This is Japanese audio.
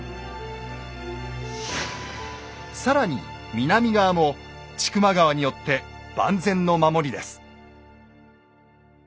更に南側も千曲川によって万全の守りです。